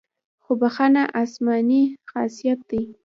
خو بښنه آسماني خاصیت دی.